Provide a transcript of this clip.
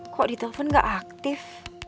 kok di telpon gak aktif